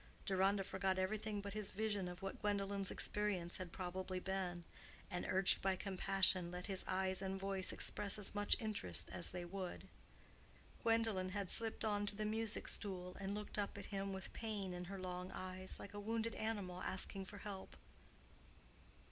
Deronda forgot everything but his vision of what Gwendolen's experience had probably been, and urged by compassion let his eyes and voice express as much interest as they would. Gwendolen had slipped on to the music stool, and looked up at him with pain in her long eyes, like a wounded animal asking for help.